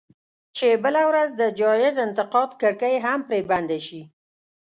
چې بله ورځ د جايز انتقاد کړکۍ هم پرې بنده شي.